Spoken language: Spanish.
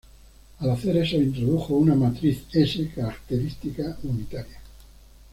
Al hacer eso introdujo una matriz S "característica" unitaria.